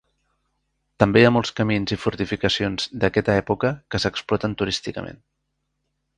També hi ha molts camins i fortificacions d'aquesta època que s'exploten turísticament.